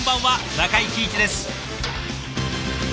中井貴一です。